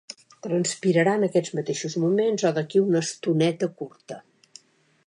Transpirarà en aquests mateixos moments o d'aquí a una estoneta curta.